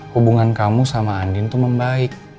hubungan kamu sama andin itu membaik